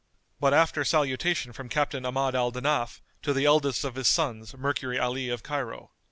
"But after salutation from Captain Ahmad al Danaf to the eldest of his sons, Mercury Ali of Cairo.